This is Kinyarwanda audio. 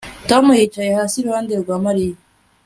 Tom yicaye hasi iruhande rwa Mariya